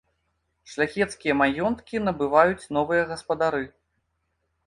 Шляхецкія маёнткі набываюць новыя гаспадары.